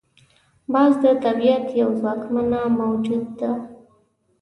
باز د طبیعت یو ځواکمنه موجود ده